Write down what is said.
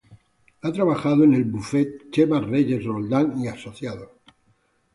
Ha trabajado en el bufete Chemás-Reyes-Roldán y Asociados.